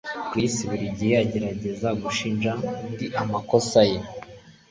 Chris buri gihe agerageza gushinja undi amakosa ye